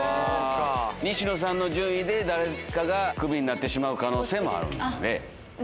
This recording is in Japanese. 西野さんの順位で、誰かがクビになってしまう可能性もあるので。